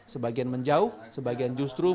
sebagian menjauh sebagian justru